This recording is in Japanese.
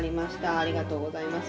ありがとうございます。